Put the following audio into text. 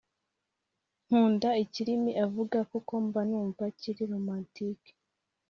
Nkunda ikirimi avuga kuko mba numva kiri romantike